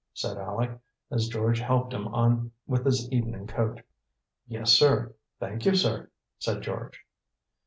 said Aleck, as George helped him on with his evening coat. "Yes, sir, thank you, sir," said George.